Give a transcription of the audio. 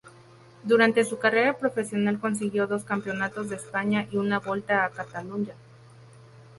Durante su carrera profesional consiguió dos Campeonatos de España y una Volta a Catalunya.